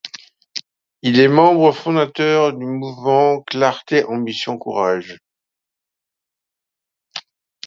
Il est membre fondateur du Mouvement Clarté-Ambition-Courage.